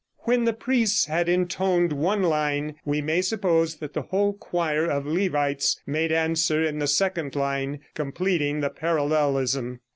When the priests had intoned one line, we may suppose that the whole choir of Levites made answer in the second line, completing the parallelism.